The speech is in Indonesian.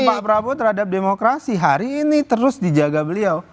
pak prabowo terhadap demokrasi hari ini terus dijaga beliau